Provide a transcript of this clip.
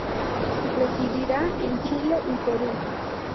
Residirá en Chile y Perú.